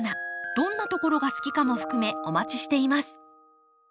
どんなところが好きかも含めお待ちしています。